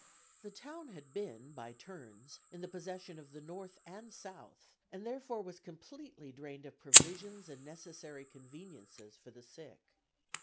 The town had been by turns in the possession of the North and South, and was therefore completely drained of provisions and necessary conveniences for the sick.